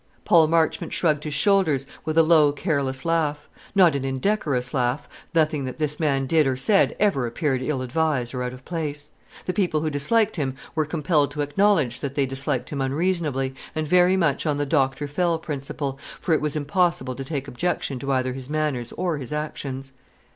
Paul Marchmont shrugged his shoulders, with a low, careless laugh; not an indecorous laugh, nothing that this man did or said ever appeared ill advised or out of place. The people who disliked him were compelled to acknowledge that they disliked him unreasonably, and very much on the Doctor Fell principle; for it was impossible to take objection to either his manners or his actions.